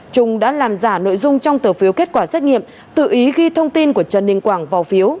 trung đã làm giả nội dung trong tờ phiếu kết quả xét nghiệm tự ý ghi thông tin của trần đình quảng vào phiếu